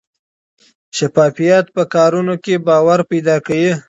شفافیت په کارونو کې باور پیدا کوي.